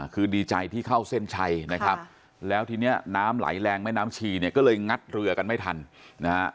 คือดีใจที่เข้าเส้นชัยนะครับแล้วทีนี้น้ำไหลแรงแม่น้ำชีเนี่ยก็เลยงัดเรือกันไม่ทันนะฮะ